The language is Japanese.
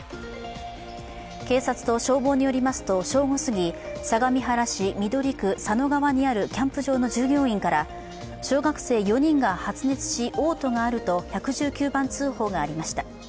警察と消防によりますと、正午すぎ相模原市緑区佐野川にあるキャンプ場の従業員から小学生４人が発熱し、おう吐があると１１９番通報がありました。